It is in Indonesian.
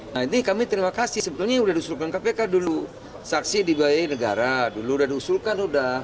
nah ini kami terima kasih sebetulnya sudah diusulkan kpk dulu saksi dibiayai negara dulu udah diusulkan udah